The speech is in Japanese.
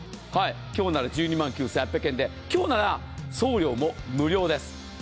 今日なら１２万９８００円で、今日なら送料も無料です。